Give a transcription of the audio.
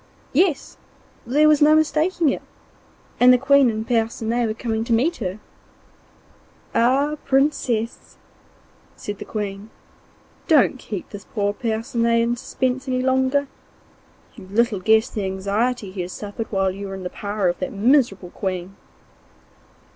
Yes! there was no mistaking it, and the Queen and Percinet were coming to meet her. 'Ah, Princess!' said the Queen, 'don't keep this poor Percinet in suspense any longer. You little guess the anxiety he has suffered while you were in the power of that miserable Queen.